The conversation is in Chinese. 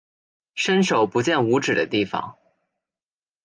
伸手不见五指的地方